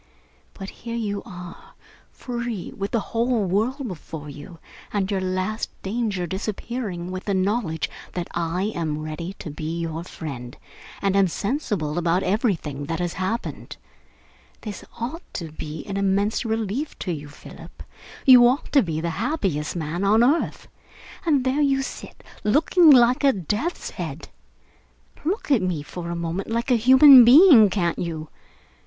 But here you are, free, with the whole world before you, and your last danger disappearing with the knowledge that I am ready to be your friend and am sensible about everything that has happened. This ought to be an immense relief to you, Philip. You ought to be the happiest man on earth. And there you sit, looking like a death's head! Look at me for a moment like a human being, can't you?